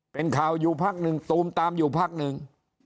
เป็นข่าวอยู่พักหนึ่งตูมตามอยู่พักหนึ่ง